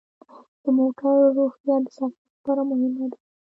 د موټرو روغتیا د سفر لپاره مهمه ده.